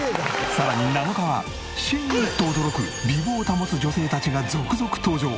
さらに７日はシェー！！と驚く美貌を保つ女性たちが続々登場。